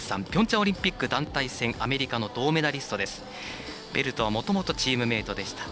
ピョンチャンオリンピック団体戦アメリカの銅メダリストです。